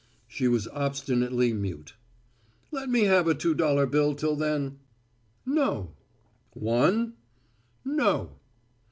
She was obstinately mute. "Let me have a two dollar bill till then?" "No." "One?" "No."